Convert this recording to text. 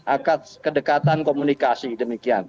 atas kedekatan komunikasi demikian